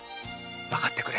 わかってくれ。